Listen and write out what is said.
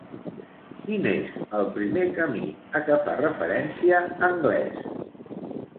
Quin és el primer camí a què fa referència Anglès?